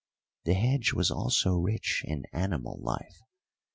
The hedge was also rich in animal life.